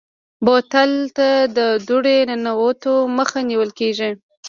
بوتل ته د دوړې ننوتو مخه نیول کېږي.